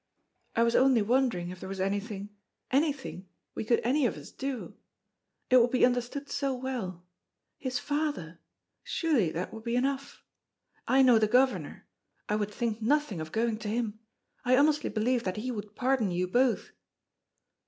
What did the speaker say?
"I was only wondering if there was anything anything we could any of us do! It would be understood so well. His father! Surely that would be enough! I know the Governor. I would think nothing of going to him. I honestly believe that he would pardon you both!"